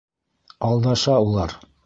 Алдаша улар!